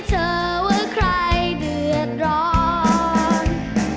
เจอว่าใครเดือดร้อน